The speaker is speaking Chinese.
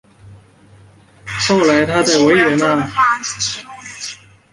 后来他在维也纳结识了瓦格纳并与之成为好友。